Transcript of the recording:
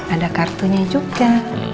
ada kartunya juga